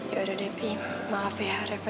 yaudah deh pi maaf ya reva